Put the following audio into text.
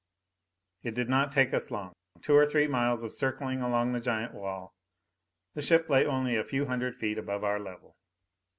It did not take us long two or three miles of circling along the giant wall. The ship lay only a few hundred feet above our level.